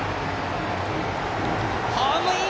ホームイン！